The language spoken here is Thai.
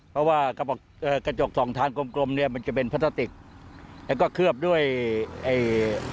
เพราะว่ากระจกสองทางกลมกลมเนี้ยมันจะเป็นพระสติ๊กแล้วก็เคลือบด้วยไอ้